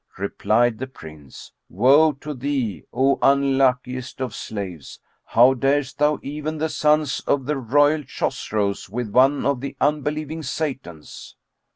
Replied the Prince, "Woe to thee, O unluckiest of slaves: how darest thou even the sons of the royal Chosroes[FN#17] with one of the unbelieving Satans?"